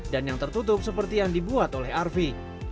dan yang tertutup seperti yang dibuat oleh arvi